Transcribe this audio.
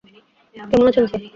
কেমন আছেন, স্যার?